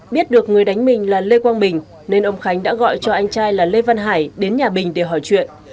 biết được người đánh mình là lê quang bình nên ông khánh đã gọi cho anh trai là lê văn hải đến nhà bình để hỏi chuyện